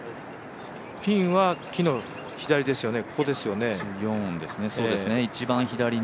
ピンは木の左側ですよね。